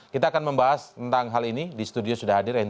kita akan membahas tentang hal ini di studio sudah hadir